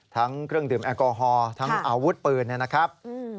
ทั้งเครื่องดื่มแอลกอฮอล์ทั้งอาวุธปืนนะครับ